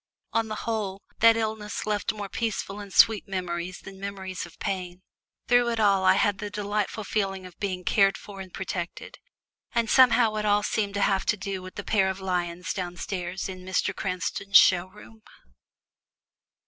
On the whole, that illness left more peaceful and sweet memories than memories of pain. Through it all I had the delightful feeling of being cared for and protected, and somehow it all seemed to have to do with the pair of lions downstairs in Mr. Cranston's show room!